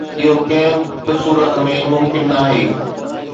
اهو ڪنهن به صورت ۾ ممڪن ناهي